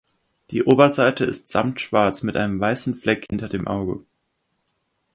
Die Oberseite ist samtschwarz mit einem weißen Fleck hinter dem Auge.